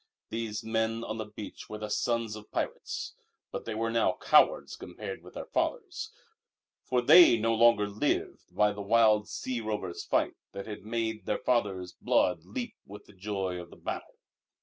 These men on the beach were the sons of pirates. But they were now cowards compared with their fathers. For they no longer lived by the wild sea rover's fight that had made their fathers' blood leap with the joy of the battle.